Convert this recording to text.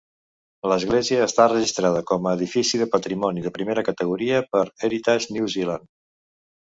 L'església està registrada com a edifici de patrimoni de primera categoria per Heritage New Zealand.